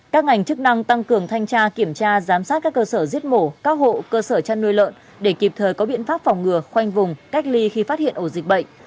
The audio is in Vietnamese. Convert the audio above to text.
các ngành chức năng tăng cường thanh tra kiểm tra giám sát các cơ sở giết mổ các hộ cơ sở chăn nuôi lợn để kịp thời có biện pháp phòng ngừa khoanh vùng cách ly khi phát hiện ổ dịch bệnh